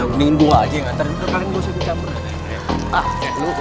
mendingin dua aja yang nganterin